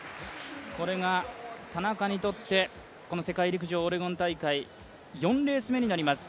これが田中にとって、世界陸上オレゴン大会４レース目になります。